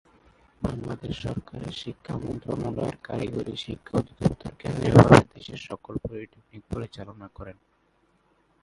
বাংলাদেশ সরকারের শিক্ষা মন্ত্রণালয়ের কারিগরি শিক্ষা অধিদপ্তর কেন্দ্রীয়ভাবে দেশের সকল পলিটেকনিক পরিচালনা করে।